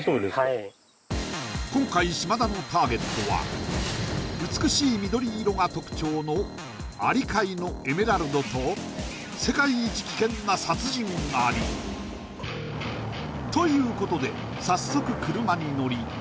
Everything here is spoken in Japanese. はい今回島田のターゲットは美しい緑色が特徴のアリ界のエメラルドと世界一危険な殺人アリということで早速車に乗り